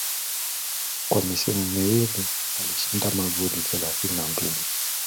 kwa misimu miwili alishinda magoli thelathini na mbili